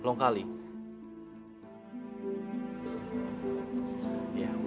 terima kasih ya